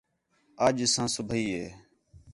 اَڄ سا صُبیح ہے